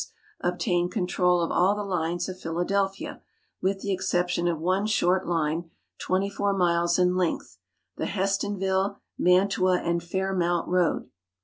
M', obtained control of all the lines of Philadelphia, with the exception of one short line, 24 miles in length, the Hestonville, Mantua and Kairmount road.